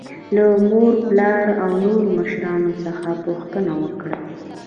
له مور او پلار او نورو مشرانو څخه پوښتنه وکړئ.